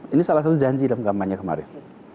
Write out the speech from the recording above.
ini salah satu janji dalam kampanye kemarin